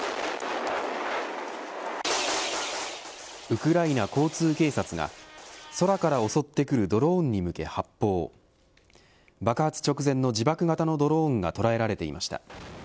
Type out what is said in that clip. ウクライナ交通警察が空から襲ってくるドローンに向け発砲爆発直前の自爆型のドローンが捉えられていました。